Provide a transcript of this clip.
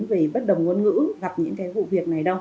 về bất đồng ngôn ngữ gặp những cái vụ việc này đâu